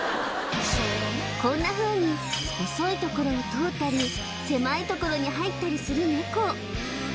こんなふうに細いところを通ったり狭いところに入ったりするネコ